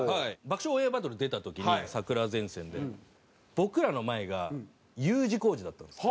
『爆笑オンエアバトル』出た時に桜前線で僕らの前がＵ字工事だったんです。